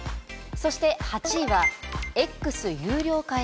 そして８位は「Ｘ」有料化へ？